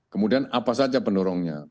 kemudian apa saja pendorongnya